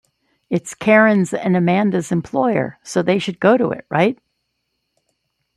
It's Karen's and Amanda's employer, so they should go to it, right?